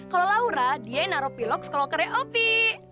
kalau laura dia yang naro piloks ke lockernya opi